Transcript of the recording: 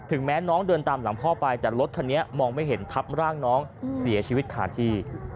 แม้น้องเดินตามหลังพ่อไปแต่รถคันนี้มองไม่เห็นทับร่างน้องเสียชีวิตขาดที่